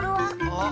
あっ。